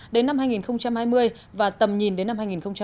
đến năm hai nghìn hai mươi và tầm nhìn đến năm hai nghìn ba mươi